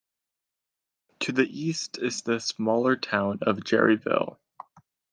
To the east is the smaller town of Jerryville.